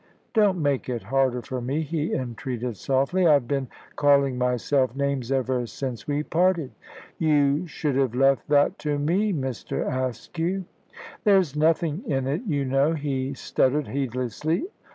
"Don't make it harder for me," he entreated softly. "I've been calling myself names ever since we parted." "You should have left that to me, Mr. Askew." "There's nothing in it, you know," he stuttered, heedlessly.